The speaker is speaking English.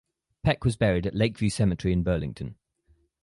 Peck was buried at Lakeview Cemetery in Burlington.